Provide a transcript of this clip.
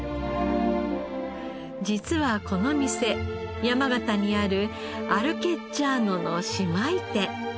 実はこの店山形にある「アル・ケッチァーノ」の姉妹店。